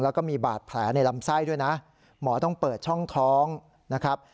แล้วก็มีบาดแผลในลำไส้ด้วยนะหมอต้องเปิดช่องท้องนะครับ